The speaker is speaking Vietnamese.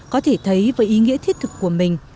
có thể thấy với ý nghĩa thiết thực của mình